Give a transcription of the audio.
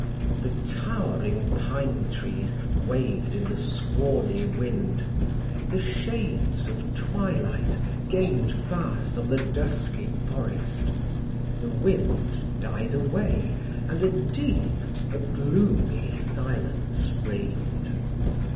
The towering pine trees waved in the squally wind the shades of twilight gained fast on the dusky forest the wind died away, and a deep, a gloomy silence reigned.